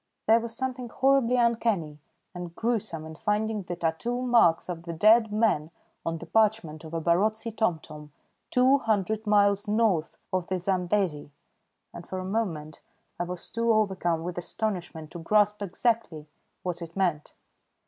There was something horribly uncanny and gruesome in finding the tattoo marks of the dead man on the parchment of a Barotse tomtom two hundred miles north of the Zambesi, and for a moment I was too overcome with astonishment to grasp exactly what it meant.